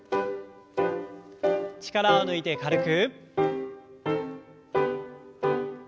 力を抜いて軽く。